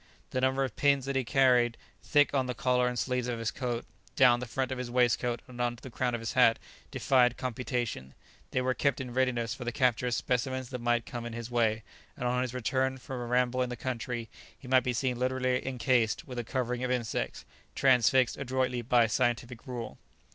The number of pins that he carried thick on the collar and sleeves of his coat, down the front of his waistcoat, and on the crown of his hat, defied computation; they were kept in readiness for the capture of specimens that might come in his way, and on his return from a ramble in the country he might be seen literally encased with a covering of insects, transfixed adroitly by scientific rule.